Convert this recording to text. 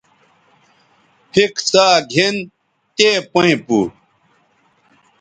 پِھک ساگِھن تے پئیں پو